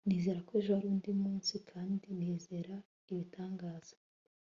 nizera ko ejo ari undi munsi kandi nizera ibitangaza